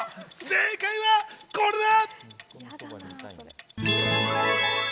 正解はこれだ！